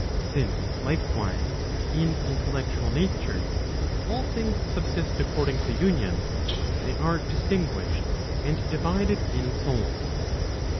Since, likewise, in intellectual natures, all things subsist according to union, they are distinguished and divided in souls.